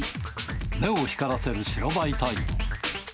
目を光らせる白バイ隊員。